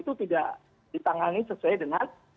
itu tidak ditangani sesuai dengan